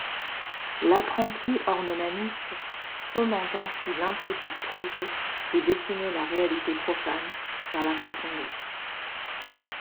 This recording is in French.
L'apprenti ornemaniste fomente ainsi l'intrépide projet de dessiner la réalité profane, par la profondeur.